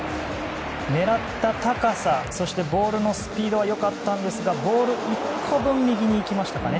狙った高さ、そしてボールのスピードは良かったんですがボール１個分右に行きましたかね。